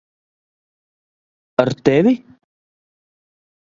Ar tevi?